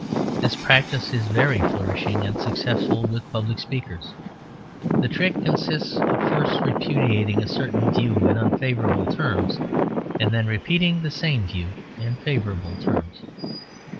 This practice is very flourishing and successful with public speakers. The trick consists of first repudiating a certain view in unfavourable terms, and then repeating the same view in favourable terms.